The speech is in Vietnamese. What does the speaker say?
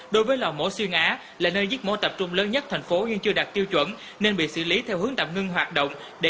đối với lò mổ xuyên á là nơi giết mổ tập trung lớn nhất thành phố